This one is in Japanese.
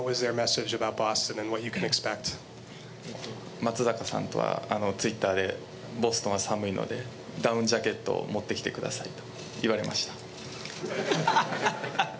松坂さんとはツイッターでボストンは寒いのでダウンジャケットを持ってきてくださいと言われました。